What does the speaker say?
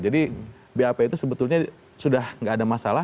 jadi bap itu sebetulnya sudah tidak ada masalah